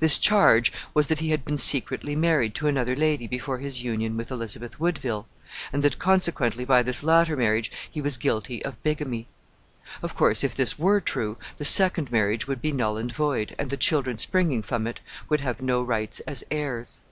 This charge was that he had been secretly married to another lady before his union with Elizabeth Woodville, and that consequently by this latter marriage he was guilty of bigamy. Of course, if this were true, the second marriage would be null and void, and the children springing from it would have no rights as heirs.